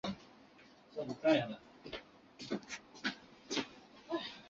多花贝母兰为兰科贝母兰属下的一个种。